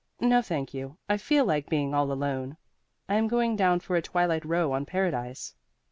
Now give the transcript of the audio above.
"No, thank you. I feel like being all alone. I'm going down for a twilight row on Paradise."